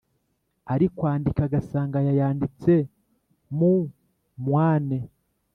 ari kwandika agasanga yayanditse mu moine